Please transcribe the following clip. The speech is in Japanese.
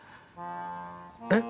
えっ？